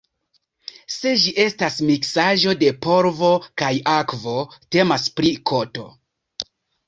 Se ĝi estas miksaĵo de polvo kaj akvo, temas pri koto.